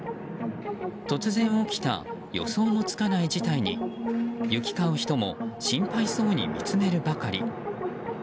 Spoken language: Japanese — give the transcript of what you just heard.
突然起きた予想もつかない事態に行き交う人も、心配そうに見つめるばかり。